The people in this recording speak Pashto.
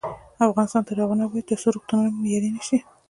افغانستان تر هغو نه ابادیږي، ترڅو روغتونونه مو معیاري نشي.